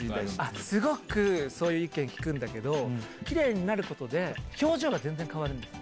すごくそういう意見聞くんだけど、きれいになることで、表情が全然変わるんですよ。